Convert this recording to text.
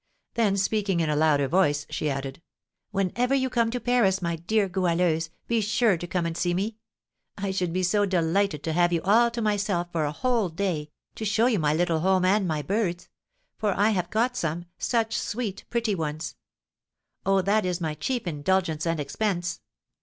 Then, speaking in a louder voice, she added, "Whenever you come to Paris, my dear Goualeuse, be sure to come and see me. I should be so delighted to have you all to myself for a whole day, to show you my little home and my birds; for I have got some, such sweet pretty ones! Oh, that is my chief indulgence and expense!"